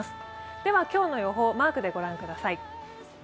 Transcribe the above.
では、今日の予報、マークで御覧ください。